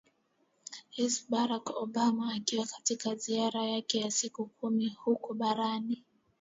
s barack obama akiwa katika ziara yake ya siku kumi huko barani